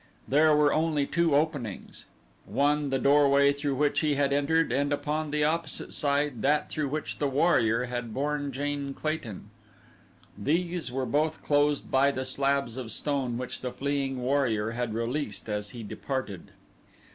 There were only two openings. One the doorway through which he had entered, and upon the opposite side that through which the warrior had borne Jane Clayton. These were both closed by the slabs of stone which the fleeing warrior had released as he departed.